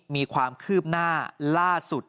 มีความคืบหน้าล่าสุด